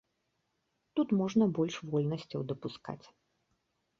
Тут можна больш вольнасцяў дапускаць.